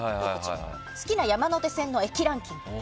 好きな山手線の駅ランキング。